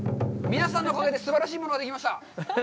皆さんのおかげで、すばらしいものができました。